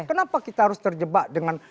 kenapa kita harus terjebak dengan